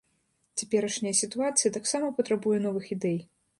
Цяперашняя сітуацыя таксама патрабуе новых ідэй.